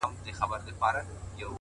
• شپه كي هم خوب نه راځي جانه زما ـ